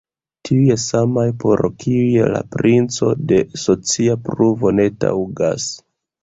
Tiuj samaj, por kiuj la principo de socia pruvo ne taŭgas.